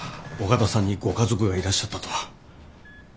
尾形さんにご家族がいらっしゃったとは。